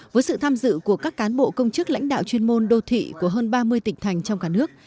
với sự tham dự của các cán bộ công chức lãnh đạo chuyên môn đô thị của hơn ba mươi tỉnh thành trong cả nước